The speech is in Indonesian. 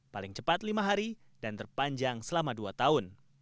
paling cepat lima hari dan terpanjang selama dua tahun